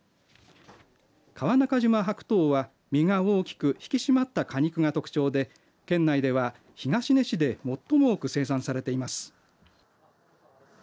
川中島白桃は実が大きく引き締まった果肉が特徴で県内では東根市で最も多く生産されています。